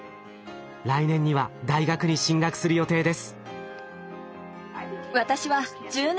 来年には大学に進学する予定です。